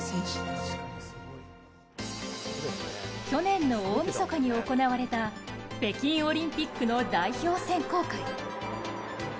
去年の大みそかに行われた北京オリンピックの代表選考会。